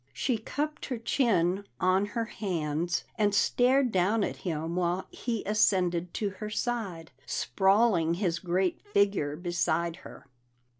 She cupped her chin on her hands, and stared down at him while he ascended to her side, sprawling his great figure beside her.